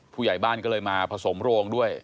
ผู้ใหญ่บ้านก็เลยมาผสมโรงด้วย